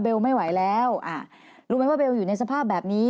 ไม่ไหวแล้วอ่ารู้ไหมว่าเบลอยู่ในสภาพแบบนี้